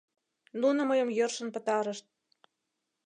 Нуно мыйым йӧршын пытарышт.